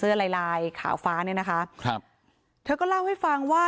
เพราะไม่เคยถามลูกสาวนะว่าไปทำธุรกิจแบบไหนอะไรยังไง